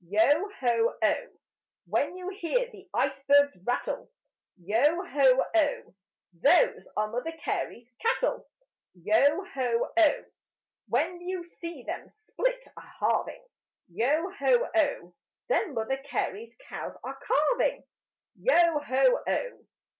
Yo ho oh! When you hear the icebergs rattle, Yo ho oh! Those are Mother Carey's cattle: Yo ho oh! When you see them split—a halving, Yo ho oh! Then Mother Carey's cows are calving: Yo ho oh!